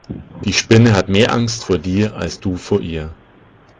Die Spinne hat mehr Angst vor dir als du vor ihr.